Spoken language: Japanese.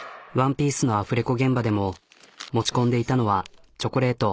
「ＯＮＥＰＩＥＣＥ」のアフレコ現場でも持ち込んでいたのはチョコレート。